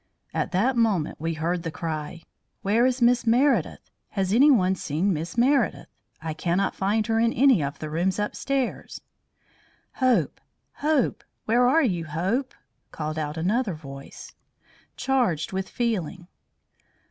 At that moment we heard the cry: "Where is Miss Meredith? Has anyone seen Miss Meredith? I cannot find her in any of the rooms upstairs." "Hope! Hope! Where are you, Hope?" called out another voice, charged with feeling.